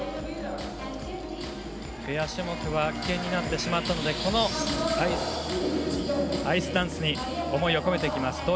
ペア種目は棄権になってしまったのでこのアイスダンスに思いを込めてきます